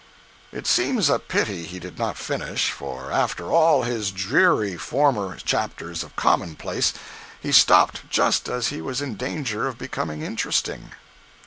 It seems a pity he did not finish, for after all his dreary former chapters of commonplace, he stopped just as he was in danger of becoming interesting.